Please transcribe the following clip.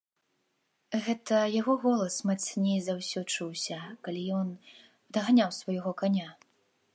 Гэта яго голас мацней за ўсё чуўся, калі ён падганяў свайго каня.